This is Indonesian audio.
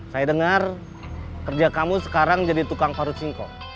saya dengar kerja kamu sekarang jadi tukang parut singkok